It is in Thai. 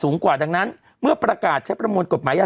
ถูกต้องเพราะฉะนั้นเนี่ย